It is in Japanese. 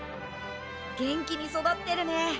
元気に育ってるね。